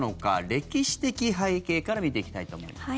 歴史的背景から見ていきたいと思います。